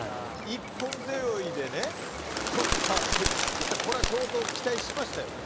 一本背負いでとったっていうんだったらこれは相当期待しましたよね